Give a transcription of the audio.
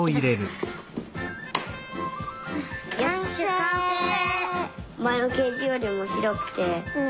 まえのケージよりもひろくて。